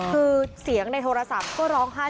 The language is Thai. คือเสียงในโทรศัพท์ก็ร้องไห้